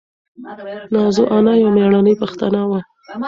نازو انا یوه مېړنۍ پښتنه وه.